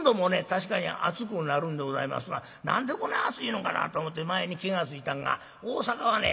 確かに暑くなるんでございますが何でこない暑いのかなと思って前に気が付いたんが大阪はね